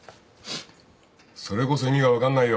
それこそ意味が分かんないよ。